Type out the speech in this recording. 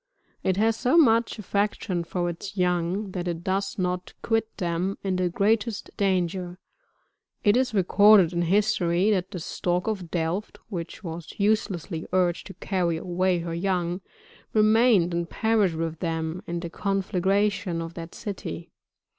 It has so much affection for its young that it does not quit them in the greatest danger ; it is recorded in history, that the Stork of Delft, which was uselessly urged to carry away her young, remained and perished with them in the conflagration of that city.